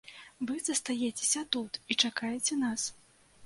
Вы застаецеся тут і чакаеце нас.